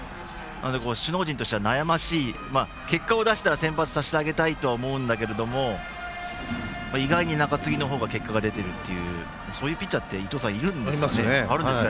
首脳陣としては悩ましい結果を出したら先発をさせてあげたいと思うんですけど意外に結果が出ているっていうそういうピッチャーって伊東さん、いるんですよね。